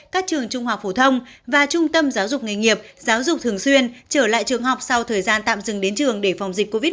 các trường trung học phổ thông và trung tâm giáo dục nghề nghiệp giáo dục thường xuyên trở lại trường học sau thời gian tạm dừng đến trường để phòng dịch covid một mươi chín